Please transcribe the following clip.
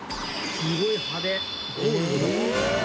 すごい派手。